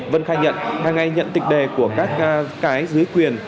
vân khai nhận hàng ngày nhận tịch đề của các cái dưới quyền